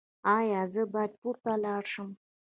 ایا زه باید پورته لاړ شم؟